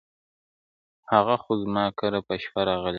هغه خو زما کره په شپه راغلې نه ده,